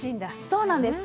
そうなんです。